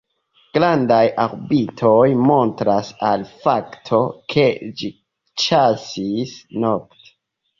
Grandaj orbitoj montras al fakto, ke ĝi ĉasis nokte.